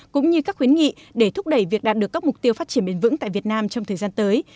cũng như các khuyến nghị để thúc đẩy việc đạt được các mục tiêu phát triển bền vững tại việt nam trong thời gian tới